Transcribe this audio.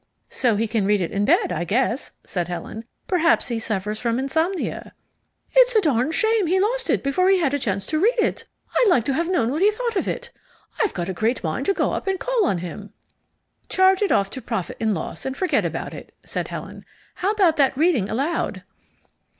"So he can read it in bed, I guess," said Helen. "Perhaps he suffers from insomnia." "It's a darn shame he lost it before he had a chance to read it. I'd like to have known what he thought of it. I've got a great mind to go up and call on him." "Charge it off to profit and loss and forget about it," said Helen. "How about that reading aloud?"